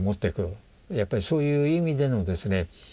やっぱりそういう意味でのですね